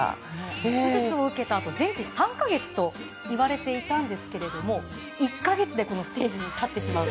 手術を受けたあと全治３か月と言われたんですが１か月でこのステージに立ってしまう。